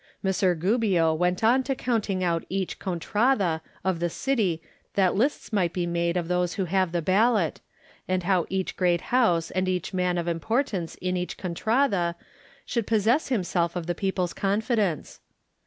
Messer Gubbio went on to counting out each contrada of the city that lists might be made of those who have the ballot, and how each great house and each man of importance in each contrada should possess himself of the people's confidence.